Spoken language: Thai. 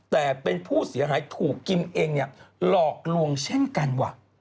แต่เป็นผู้เสียหายถูกกิมเองหลอกลวงเช่นกันว่ะ